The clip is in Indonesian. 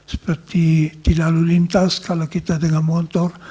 seperti di lalu lintas kalau kita dengan motor